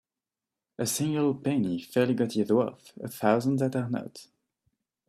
A single penny fairly got is worth a thousand that are not.